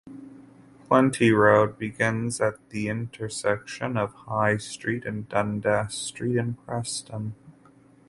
Plenty Road begins at the intersection of High Street and Dundas Street in Preston.